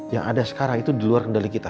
yang ada sekarang itu di luar kendali kita